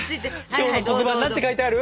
今日の黒板何て書いてある？